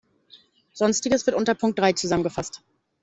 Sonstiges wird unter Punkt drei zusammengefasst.